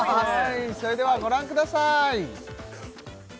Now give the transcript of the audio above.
それではご覧ください